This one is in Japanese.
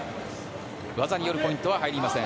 技によるポイントは入りません。